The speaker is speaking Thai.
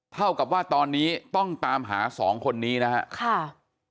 เท่ากับว่าตอนนี้ต้องตามหาสองคนนี้นะครับ